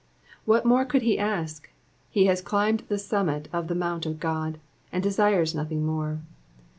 '' What more could he ask ? He has climbed the summit of the mount of God ; he desires nothing more.